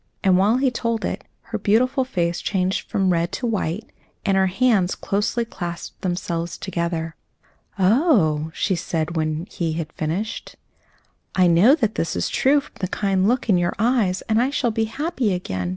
And while he told it, her beautiful face changed from red to white, and her hands closely clasped themselves together. "Oh!" she said, when he had finished, "I know that this is true from the kind look in your eyes, and I shall be happy again.